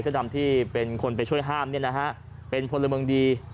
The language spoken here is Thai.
ดำที่เป็นคนไปช่วยห้ามเนี่ยนะฮะเป็นพลเมืองดี